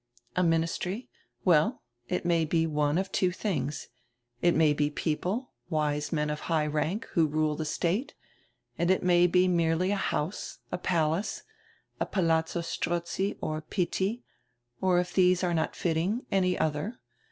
"A ministry? Well, it may be one of two things. It may be people, wise men of high rank, who rule die state; and it may be merely a house, a palace, a Palazzo Strozzi or Pitti, or, if diese are not fitting, any other.